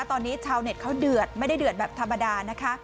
ตอนนี้ชาวเน็ตเขาเดือดไม่ได้เดือดแบบธรรมดานะคะ